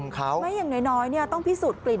โอ้โฮกละละบูลของกูดม